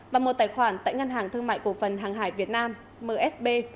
và một tài khoản tại ngân hàng thương mại cổ phần hàng hải việt nam msb